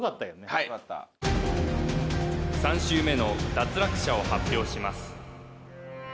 はい３周目の脱落者を発表します